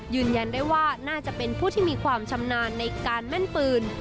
ยืนยันได้ว่าน่าจะเป็นผู้ที่มีความชำนาญในการแม่นปืน